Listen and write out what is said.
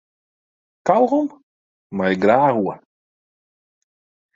Kaugom mei ik graach oer.